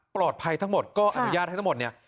ทั้งหมดก็อนุญาตให้ทั้งหมดเนี่ย